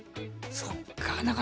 そっか。